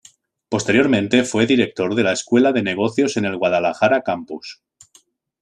Posteriormente fue director de la escuela de negocios en el Guadalajara campus.